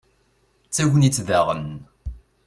d tagnit daɣen